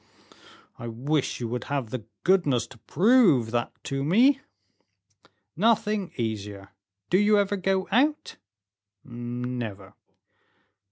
"I wish you would have the goodness to prove that to me." "Nothing easier. Do you ever go out?" "Never."